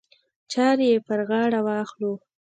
چارې یې پر غاړه واخلو.